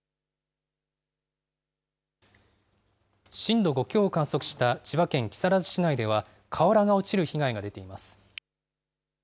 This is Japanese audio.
震度５強を観測した千葉県木更津市内では、瓦が落ちる被害が出ています。